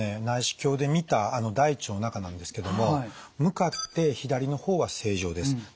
内視鏡で見た大腸の中なんですけども向かって左の方は正常です。